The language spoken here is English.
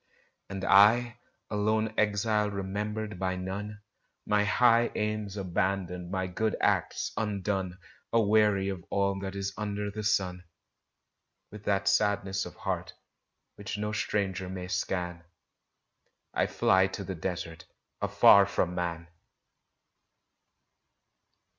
And I a lone exile remembered by none My high aims abandoned, my good acts undone, Aweary of all that is under the sun, With that sadness of heart which no stranger may scan, I fly to the desert, afar from man!